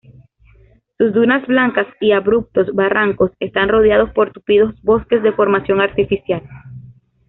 Sus dunas blancas y abruptos barrancos están rodeados por tupidos bosques de formación artificial.